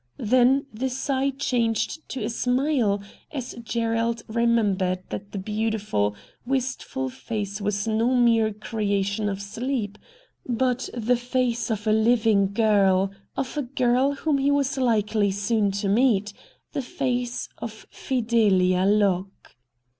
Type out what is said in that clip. Then the sigh changed to a smile, as Gerald remembered that the beautiful, wistful face was no mere creation of sleep, but the face of a living girl, of a girl whom he was likely soon to meet, the face of Fidelia Locke.